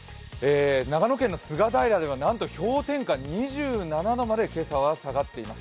長野県の菅平ではなんと氷点下２７度まで下がっています。